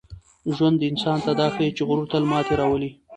ژوند انسان ته دا ښيي چي غرور تل ماتې راولي.